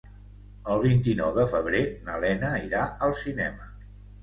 El vint-i-nou de febrer na Lena irà al cinema.